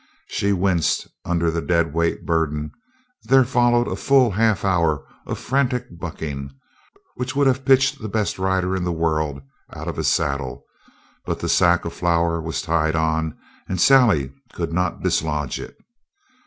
She winced under the dead weight burden; there followed a full half hour of frantic bucking which would have pitched the best rider in the world out of a saddle, but the sack of flour was tied on, and Sally could not dislodge it.